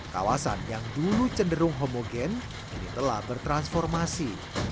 kawasan yang dulu cenderung homogen ini telah bertransformasi